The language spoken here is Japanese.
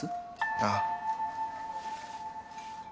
ああ。